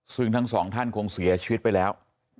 ซึ่งทั้งสองท่านคงเสียชีวิตไปแล้ว